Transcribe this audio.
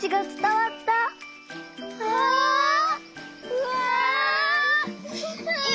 うわ！